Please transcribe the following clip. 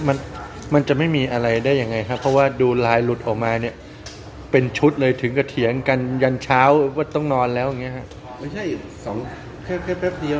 มันมันจะไม่มีอะไรได้ยังไงครับเพราะว่าดูลายหลุดออกมาเนี่ยเป็นชุดเลยถึงกระเถียงกันยันเช้าว่าต้องนอนแล้วอย่างเงี้ฮะไม่ใช่สองแค่แค่แป๊บเดียว